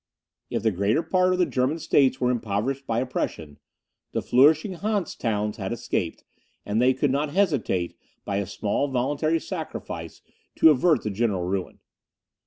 If the greater part of the German states were impoverished by oppression, the flourishing Hanse towns had escaped, and they could not hesitate, by a small voluntary sacrifice, to avert the general ruin.